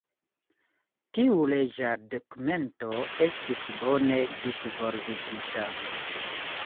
Tiu leĝa dokumento estis bone disvolvigita.